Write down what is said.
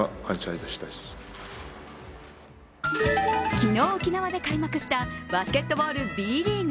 昨日沖縄で開幕したバスケットボールＢリーグ。